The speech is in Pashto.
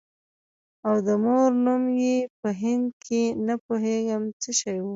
او د مور نوم يې په هندي کښې نه پوهېږم څه شى و.